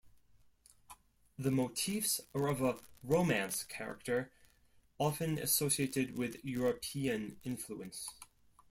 The motifs are of a romance character, often associated with European influence.